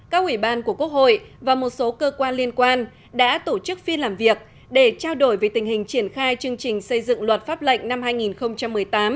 các ủy ban của quốc hội và một số cơ quan liên quan đã tổ chức phiên làm việc để trao đổi về tình hình triển khai chương trình xây dựng luật pháp lệnh năm hai nghìn một mươi tám